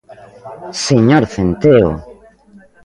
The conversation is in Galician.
¡Señor Centeo!